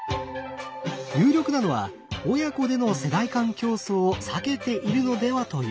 有力なのは親子での世代間競争を避けているのではというもの。